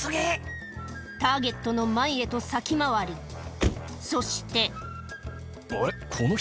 ターゲットの前へと先回りそしてあの。